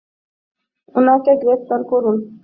উনাকে গ্রহণ করুন!